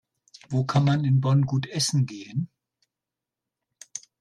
Wo kann man in Bonn gut essen gehen?